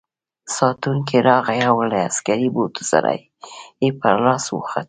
ساتونکی راغی او له عسکري بوټو سره یې پر لاس وخوت.